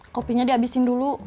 kopinya dihabisin dulu